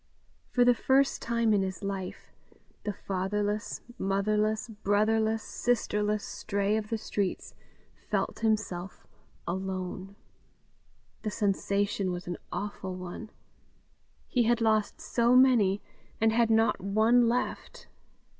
For the first time in his life, the fatherless, motherless, brotherless, sisterless stray of the streets felt himself alone. The sensation was an awful one. He had lost so many, and had not one left!